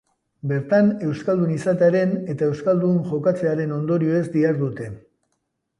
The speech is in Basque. Bertan, euskaldun izatearen eta euskaldun jokatzearen ondorioez dihardute.